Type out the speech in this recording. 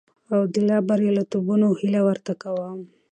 او د لا برياليتوبونو هيله ورته کوم.